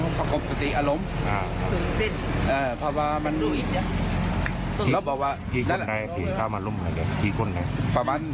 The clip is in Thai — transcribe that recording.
โซ่ให้หวังซอกวิ่ง